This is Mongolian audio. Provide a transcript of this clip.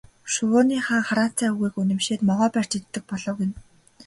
Шувууны хаан хараацайн үгийг үнэмшээд могой барьж иддэг болов гэнэ.